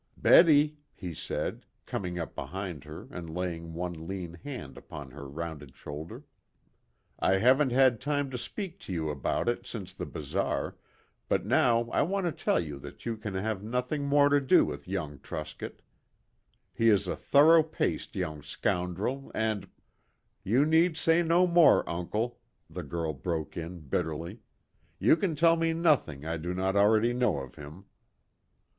"Betty," he said, coming up behind her and laying one lean hand upon her rounded shoulder, "I haven't had time to speak to you about it since the bazaar, but now I want to tell you that you can have nothing more to do with young Truscott. He is a thorough paced young scoundrel and " "You need say no more, uncle," the girl broke in bitterly. "You can tell me nothing I do not already know of him."